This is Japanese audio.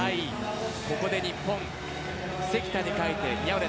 ここで日本、関田に代えて宮浦。